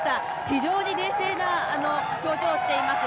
非常に冷静な表情をしています。